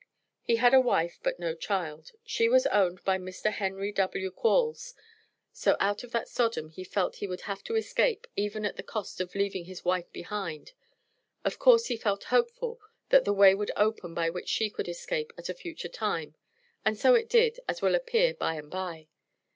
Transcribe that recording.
He had a wife but no child. She was owned by Mr. Henry W. Quarles. So out of that Sodom he felt he would have to escape, even at the cost of leaving his wife behind. Of course he felt hopeful that the way would open by which she could escape at a future time, and so it did, as will appear by and by.